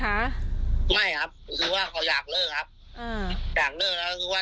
ครับไม่ครับคือว่าเขาอยากเลิกครับอ่าอยากเลิกแล้วก็คือว่า